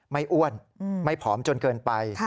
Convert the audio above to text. อ้วนไม่ผอมจนเกินไป